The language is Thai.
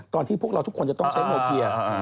พวกเราทุกคนจะต้องใช้โนเกียร์